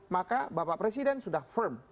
maka bapak presiden sudah firm